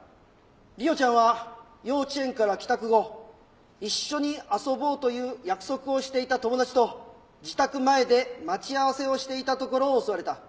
梨央ちゃんは幼稚園から帰宅後一緒に遊ぼうという約束をしていた友達と自宅前で待ち合わせをしていたところを襲われた。